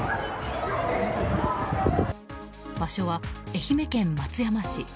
場所は愛媛県松山市。